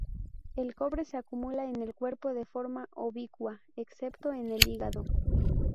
El cobre se acumula en el cuerpo de forma ubicua, excepto en el hígado.